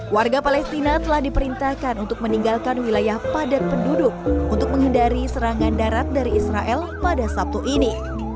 warga palestina telah diperintahkan untuk meninggalkan wilayah padat penduduk untuk menghindari serangan darat dari israel pada sabtu ini